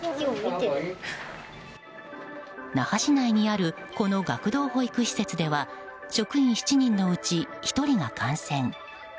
那覇市内にあるこの学童保育施設では職員７人のうち１人が感染。